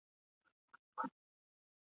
جومات بل قبله بدله مُلا بله ژبه وايي ..